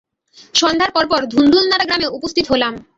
সন্ধ্যার পরপর ধুন্দুল নাড়া গ্রামে উপস্থিত হলাম।